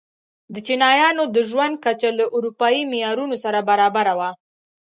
د چینایانو د ژوند کچه له اروپايي معیارونو سره برابره وه.